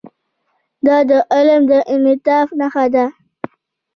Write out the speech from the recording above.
دا د علم د انعطاف نښه ده.